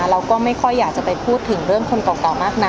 เราก็ไม่ค่อยอยากจะไปพูดถึงเรื่องคนเก่ามากนัก